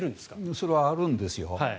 それはあるんですよ。